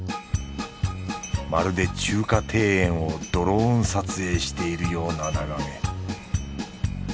まるで中華庭園をドローン撮影しているような眺め